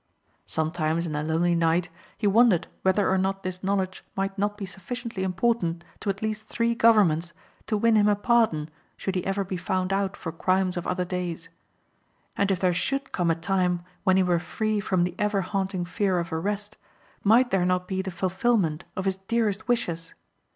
Sometimes in the lonely night he wondered whether or not this knowledge might not be sufficiently important to at least three governments to win him a pardon should he ever be found out for crimes of other days. And if there should come a time when he were free from the ever haunting fear of arrest might there not be the fulfilment of his dearest wishes?